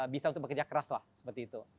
bisa untuk bekerja keras lah seperti itu